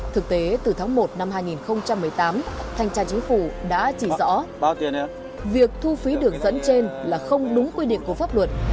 thực tế từ tháng một năm hai nghìn một mươi tám thanh tra chính phủ đã chỉ rõ việc thu phí đường dẫn trên là không đúng quy định của pháp luật